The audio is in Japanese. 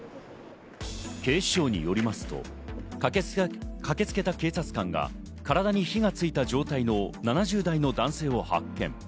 警視庁によりますと、駆けつけた警察官が、体に火がついた状態の７０代の男性を発見。